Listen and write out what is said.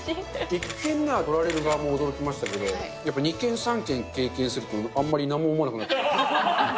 １軒目は撮られる側も驚きましたけども、やっぱり２件、３件経験すると、あんまりなんも思わなくなってきた。